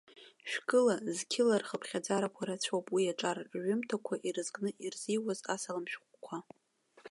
Шәкыла, зқьыла рхыԥхьаӡара рацәоуп уи аҿар рҩымҭақәа ирызкны ирзиҩуаз асалам шәҟәқәа.